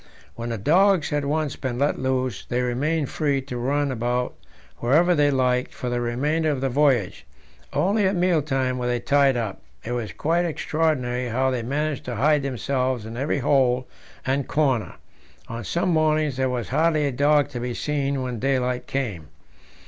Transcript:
When the dogs had once been let loose, they remained free to run about wherever they liked for the remainder of the voyage; only at meal times were they tied up. It was quite extraordinary how they managed to hide themselves in every hole and comer; on some mornings there was hardly a dog to be seen when daylight came.